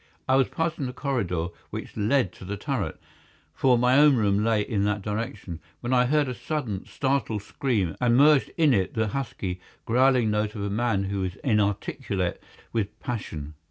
I was passing the corridor which led to the turret—for my own room lay in that direction—when I heard a sudden, startled scream, and merged in it the husky, growling note of a man who is inarticulate with passion.